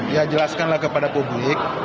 ya jelaskanlah kepada publik